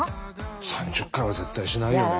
３０回は絶対しないよね。